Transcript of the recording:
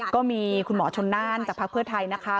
ก็มีคุณหมอชนนานจากภาคเบื้อไทยนะคะ